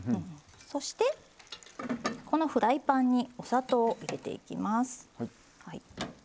そして、このフライパンにお砂糖を入れていきます。